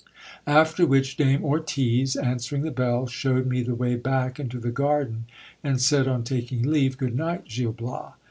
After which Dame Ortiz, answering the bell, shewed me the way back into the garden, and said, on taking leave, Good night, Gil Bias.